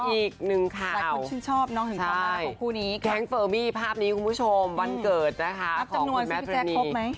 อีกหนึ่งข่าวใช่แคลงเฟอร์มี่ภาพนี้คุณผู้ชมวันเกิดนะคะของคุณแมทรณี